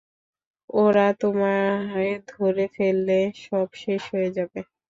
ওরা তোমায় ধরে ফেললে, সব শেষ হয়ে যাবে।